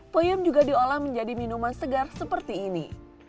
peyem juga diolah menjadi minuman segar seperti ini